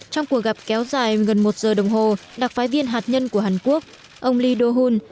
trong cuộc gặp kéo dài gần một giờ đồng hồ đặc phái viên hạt nhân của hàn quốc ông lee do hun